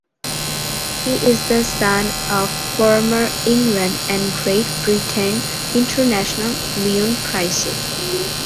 He is the son of former England and Great Britain international Leon Pryce.